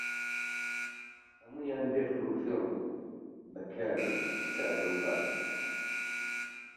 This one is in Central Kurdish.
هەموویان بێ فڕوفێڵ و بەکار و سادە و پاکن